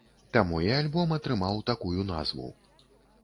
Таму і альбом атрымаў такую назву.